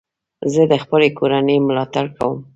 زه د خپلي کورنۍ ملاتړ کوم.